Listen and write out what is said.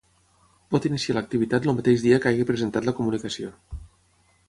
Pot iniciar l'activitat el mateix dia que hagi presentat la comunicació.